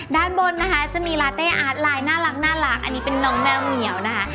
ด้านบนนะคะจะมีลาเต้อาร์ตไลน์น่ารักอันนี้เป็นน้องแมวเหมียวนะคะ